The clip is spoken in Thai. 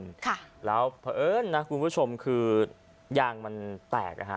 ค่ะแล้วเพราะเอิญนะคุณผู้ชมคือยางมันแตกนะฮะ